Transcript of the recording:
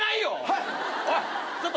はい。